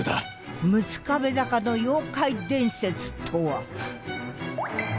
六壁坂の妖怪伝説とは？